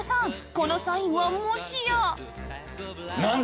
このサインはもしや